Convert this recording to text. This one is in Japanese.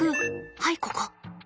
はいここ。